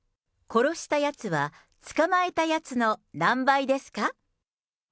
殺したやつは捕まえたやつの何倍ですか？